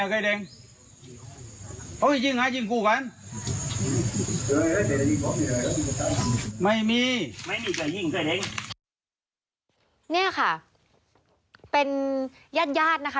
ไหนเคยเด็งไม่มีไม่มีแต่ยิ่งเคยเด็งเนี่ยค่ะเป็นญาติญาตินะคะ